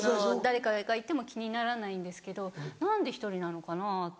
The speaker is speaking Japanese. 誰かがいても気にならないんですけど何で１人なのかなぁって。